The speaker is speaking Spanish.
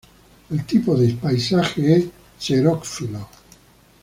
El tipo de paisaje es xerófilo.